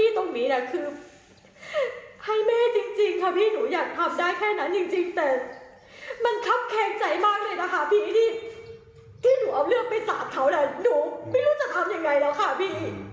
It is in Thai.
แต่นะหนูไม่รู้จะทำยังไงแล้วค่ะพี่